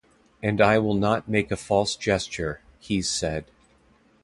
And I will not make a false gesture, Keyes said.